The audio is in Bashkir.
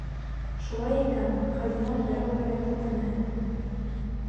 Шулай икән, хазина берәүгә лә тәтемәһен!